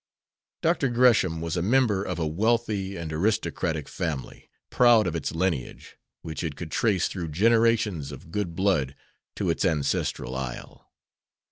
Dr. Gresham was a member of a wealthy and aristocratic family, proud of its lineage, which it could trace through generations of good blood to its ancestral isle.